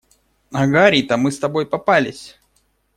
Ага, Рита! Мы с тобой попались.